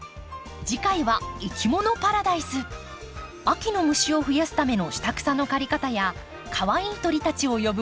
秋の虫を増やすための下草の刈り方やかわいい鳥たちを呼ぶ庭づくり。